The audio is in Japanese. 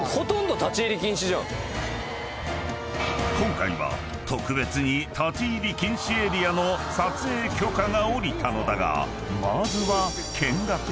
［今回は特別に立ち入り禁止エリアの撮影許可が下りたのだが］